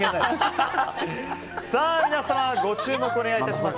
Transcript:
皆様、ご注目をお願いします。